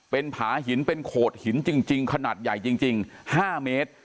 เป็นผาหินเป็นโขดหินจริงขนาดใหญ่จริง๕เมตร